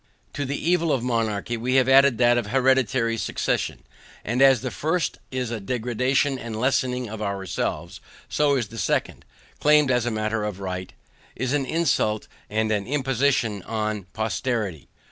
To the evil of monarchy we have added that of hereditary succession; and as the first is a degradation and lessening of ourselves, so the second, claimed as a matter of right, is an insult and an imposition on posterity.